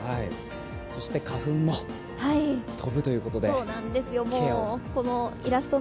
そして花粉も飛ぶということでケアを。